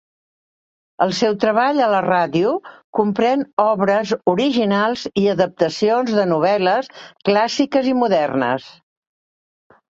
El seu treball a la ràdio comprèn obres originals i adaptacions de novel·les clàssiques i modernes.